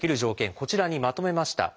こちらにまとめました。